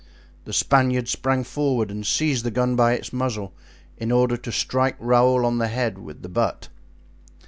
The Spaniard sprang forward and seized the gun by its muzzle, in order to strike Raoul on the head with the butt.